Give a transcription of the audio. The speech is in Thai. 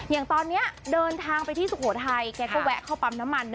อย่างตอนนี้เดินทางไปที่สุโขทัยแกก็แวะเข้าปั๊มน้ำมัน